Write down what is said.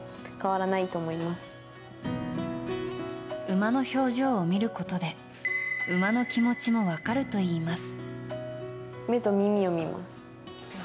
馬の表情を見ることで馬の気持ちも分かるといいます。